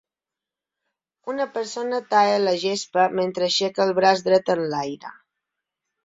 Una persona talla la gespa mentre aixeca el braç dret enlaire.